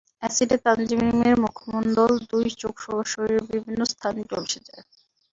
অ্যাসিডে তানজিমের মুখমণ্ডল, দুই চোখসহ শরীরের বিভিন্ন স্থান ঝলসে যায়।